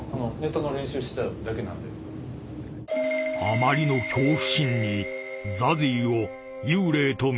［あまりの恐怖心に］